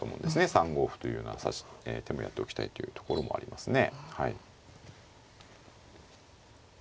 ３五歩というような手もやっておきたいというところもありますね。